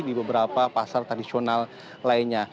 di beberapa pasar tradisional lainnya